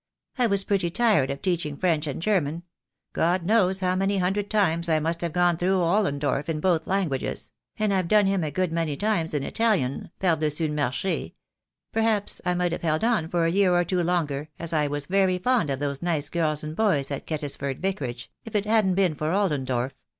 I was pretty tired of teaching French and German — God knows how many hundred times I must have gone through Ollendorff in both languages — and I've done him a good many times in Italian, par dessus le marche. Perhaps I might have held on for a year or two longer, as I was very fond of those nice girls and boys at Kettisford Vicarage, if it hadn't been for Ollendorff.